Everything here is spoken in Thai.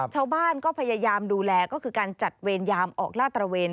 ชาวบ้านก็พยายามดูแลก็คือการจัดเวรยามออกล่าตระเวน